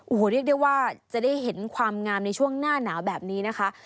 โอ้โหเรียกได้ว่าจะได้เห็นความงามในช่วงหน้าหนาวแบบนี้นะคะ